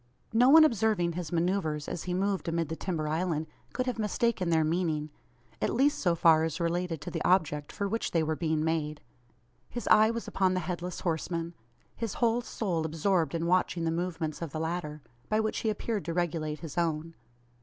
No one observing his manoeuvres as he moved amid the timber island, could have mistaken their meaning at least so far as related to the object for which they were being made. His eye was upon the Headless Horseman, his whole soul absorbed in watching the movements of the latter by which he appeared to regulate his own.